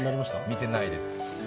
見てないです。